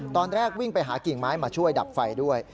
ตอนแรกวิ่งไปหากิ่งไม้มาช่วยดับไฟด้วย